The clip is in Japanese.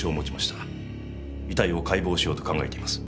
遺体を解剖しようと考えています。